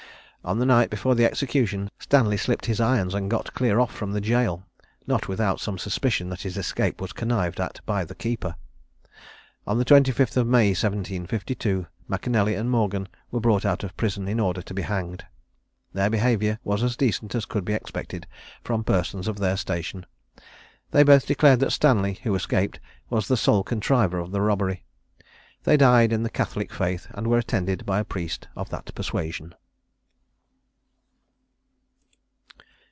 On the night before the execution, Stanley slipped his irons, and got clear off from the jail, not without some suspicion that his escape was connived at by the keeper. On the 25th May, 1752, M'Canelly and Morgan were brought out of prison in order to be hanged. Their behaviour was as decent as could be expected from persons of their station. They both declared that Stanley, who escaped, was the sole contriver of the robbery. They died in the Catholic faith, and were attended by a priest of that persuasion.